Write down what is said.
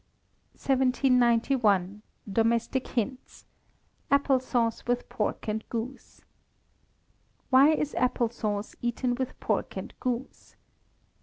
1791. Domestic Hints (Apple Sauce with Pork and Goose). _Why is apple sauce eaten with pork and goose?